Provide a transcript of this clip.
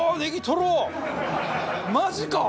マジか！